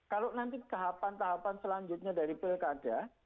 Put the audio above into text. kalau nanti tahapan tahapan selanjutnya dari pilkada